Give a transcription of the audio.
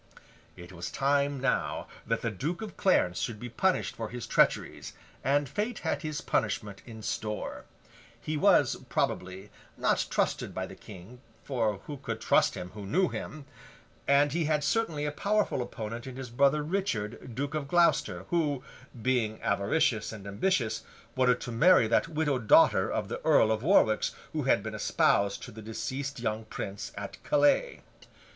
It was time, now, that the Duke of Clarence should be punished for his treacheries; and Fate had his punishment in store. He was, probably, not trusted by the King—for who could trust him who knew him!—and he had certainly a powerful opponent in his brother Richard, Duke of Gloucester, who, being avaricious and ambitious, wanted to marry that widowed daughter of the Earl of Warwick's who had been espoused to the deceased young Prince, at Calais.